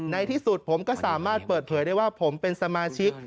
ในที่สุดผมก็สามารถเปิดเผยได้ว่าผมเป็นสมาชิก